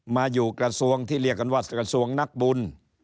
มาอยู่กระทรวงที่เรียกกันว่ากระทรวงนักบุญ